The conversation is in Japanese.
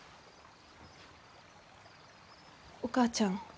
お母ちゃん。